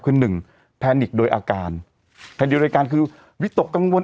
คือหนึ่งแพนิกโดยอาการแผ่นเดียวรายการคือวิตกกังวล